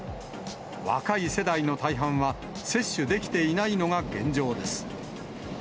若い世代の大半は、接種できていないのが現状です。